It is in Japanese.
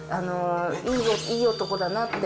いい男だなって。